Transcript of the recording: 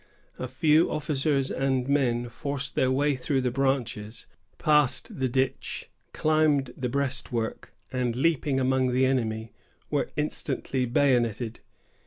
A few officers and men forced their way through the branches, passed the ditch, climbed the breastwork, and, leaping among the enemy, were instantly bayonetted.